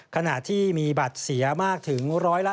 ขณะที่มีบัตรเสียมากถึง๑๕